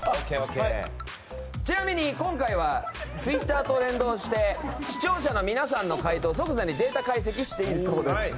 ちなみに今回はツイッターと連動して視聴者の皆さんの回答を即座にデータ解析しているそうです。